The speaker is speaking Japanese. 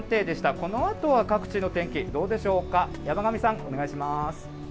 このあとは各地の天気、どうでしょうか。